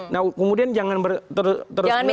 nah kemudian jangan terus menerus